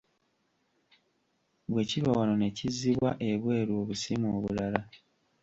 Bwe kiva wano ne kizzibwa ebweru obusimu obulala.